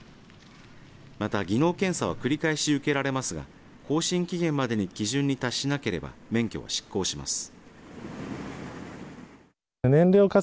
また、技能検査は繰り返し受けられますが更新期限までに基準に達しなければ免許は失効します。